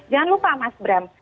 jangan lupa mas bram